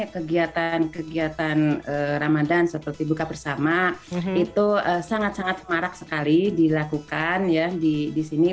kegiatan kegiatan ramadan seperti buka bersama itu sangat sangat marak sekali dilakukan ya di sini